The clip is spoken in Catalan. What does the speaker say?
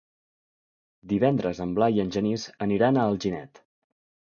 Divendres en Blai i en Genís aniran a Alginet.